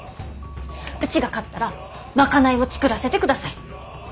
うちが勝ったら賄いを作らせてください！